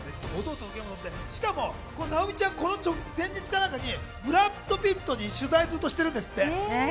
しかも直美ちゃん、前日かなんかにブラッド・ピットに取材してるんですって。